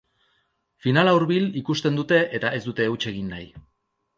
Finala hurbil ikusten dute eta ez dute huts egin nahi.